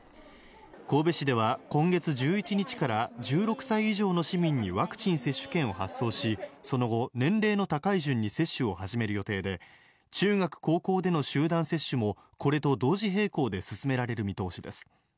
神戸市では今月１１日から１６歳以上の市民にワクチン接種券を発送しその後、年齢の高い順に接種を始める予定で中学、高校での集団接種もこれと同時並行で進められる見通しです。